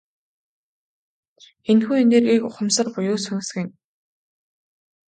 Энэхүү энергийг ухамсар буюу сүнс гэнэ.